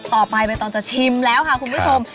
ต่อไปเป็นตอนจะชิมแล้วค่ะคุณผู้ชม